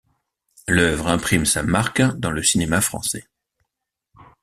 L'œuvre imprime sa marque dans le cinéma français.